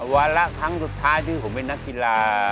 วาระครั้งสุดท้ายที่ผมเป็นนักกีฬา